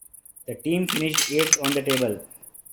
The team finished eighth on the table.